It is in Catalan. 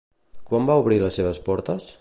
Quan va obrir les seves portes?